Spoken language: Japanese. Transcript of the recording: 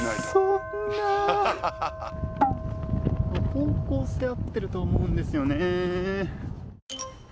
方向性はあってると思うんですよね。